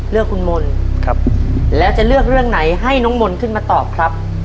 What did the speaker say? เลือกคุณมนต์ครับแล้วจะเลือกเรื่องไหนให้น้องมนต์ขึ้นมาตอบครับ